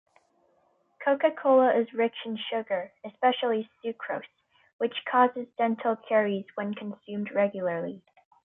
Coca-Cola is rich in sugar, especially sucrose, which causes dental caries when consumed regularly.